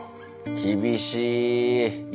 厳しい。